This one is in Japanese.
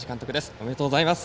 おめでとうございます。